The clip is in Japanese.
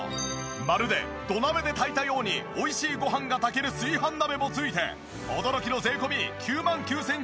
まるで土鍋で炊いたように美味しいご飯が炊ける炊飯鍋も付いて驚きの税込９万９９００円。